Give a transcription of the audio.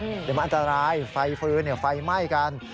เดี๋ยวมันอันตรายไฟฟื้นไฟไหม้กัน